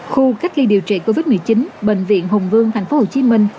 khu cách ly điều trị covid một mươi chín bệnh viện hùng vương thành phố hồ chí minh